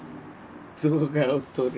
動画を撮れ。